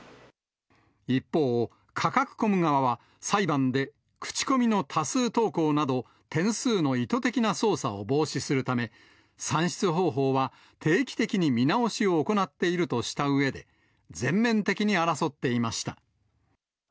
一方、カカクコム側は、裁判で口コミの多数投稿など、点数の意図的な操作を防止するため、算出方法は定期的に見直しを行っているとしたうえで、全面的に争っていました。